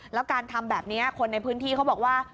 แล้วการทำแบบนี้คนในพื้นที่เขาบอกว่า